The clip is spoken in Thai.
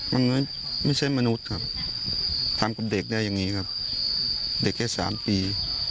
มันไม่ใช่มนุษย์ครับทำกับเด็กได้อย่างนี้ครับเด็กแค่สามปี